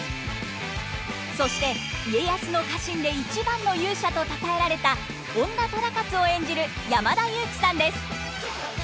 そして家康の家臣で一番の勇者とたたえられた本多忠勝を演じる山田裕貴さんです。